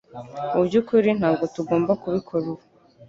Mu byukuri ntabwo tugomba kubikora ubu.